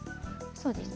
そうですね。